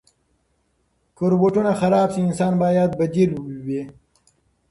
که روبوټونه خراب شي، انسان باید بدیل وي.